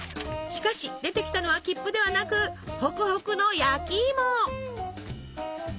しかし出てきたのは切符ではなくホクホクの焼きいも！